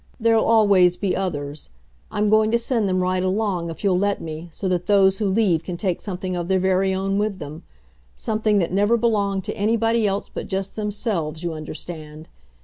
There'll always be others. I'm going to send them right along, if you'll let me, so that those who leave can take something of their very own with them something that never belonged to anybody else but just themselves, you understand.